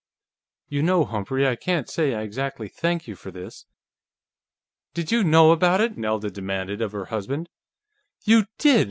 "You know, Humphrey, I can't say I exactly thank you for this." "Did you know about it?" Nelda demanded of her husband. "You did!